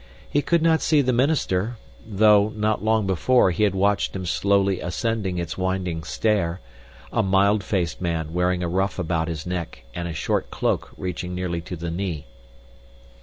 He could not see the minister though, not long before, he had watched him slowly ascending its winding stair a mild faced man wearing a ruff about his neck and a short cloak reaching nearly to the knee.